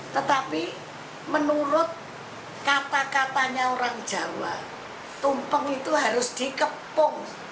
tetapi menurut kata katanya orang jawa tumpeng itu harus dikepung